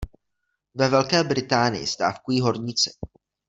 Ve Velké Británii stávkují horníci.